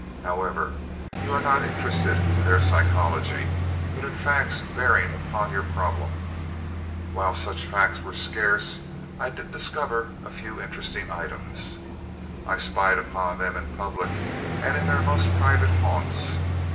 However, you are not interested in their psychology, but in facts bearing upon your problem. While such facts were scarce, I did discover a few interesting items. I spied upon them in public and in their most private haunts.